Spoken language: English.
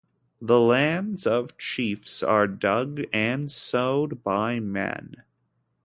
The lands of chiefs are dug and sowed by men.